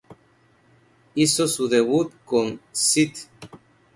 Hizo su debut con St.